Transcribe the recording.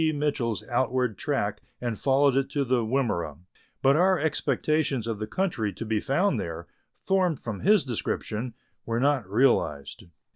Mitchell's outward track and followed it to the Wimmera, but our expectations of the country to be found there, formed from his description, were not realized.